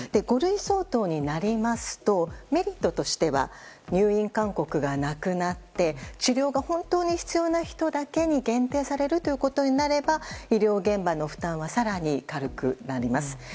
五類相当になりますとメリットとしては入院勧告がなくなって治療が本当に必要な人だけに限定されるということになれば医療現場の負担は更に軽くなります。